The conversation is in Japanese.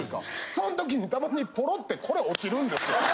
その時にたまにポロってこれ落ちるんですよ。